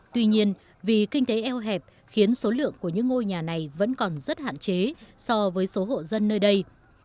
tuy nhiên vì kinh tế eo hẹp khiến số lượng của những ngôi nhà này vẫn còn rất hạn chế so với số hộ dân nơi đây